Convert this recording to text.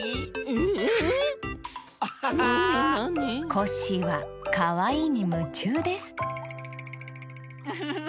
コッシーはかわいいにむちゅうですウフフフフフ。